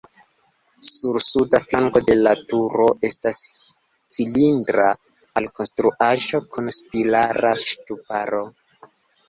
Sur suda flanko de la turo estas cilindra alkonstruaĵo kun spirala ŝtuparo.